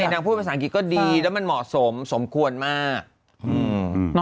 นางพูดภาษาอังกฤษก็ดีแล้วมันเหมาะสมสมควรมากอืม